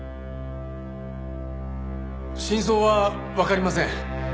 真相はわかりません。